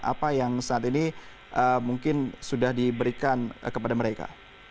apa yang saat ini mungkin sudah diberikan kepada mereka